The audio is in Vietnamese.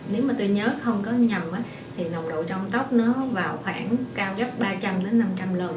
nếu mà tôi nhớ không có nhầm thì nồng độ trong tóc nó vào khoảng cao gấp ba trăm linh đến năm trăm linh lượng